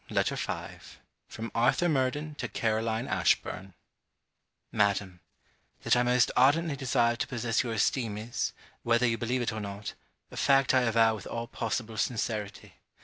LETTER V FROM ARTHUR MURDEN TO CAROLINE ASHBURN MADAM That I most ardently desire to possess your esteem is, whether you believe it or not, a fact I avow with all possible sincerity.